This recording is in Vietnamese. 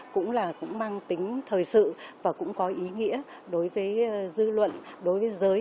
cũng là cũng mang tính thời sự và cũng có ý nghĩa đối với dư luận đối với giới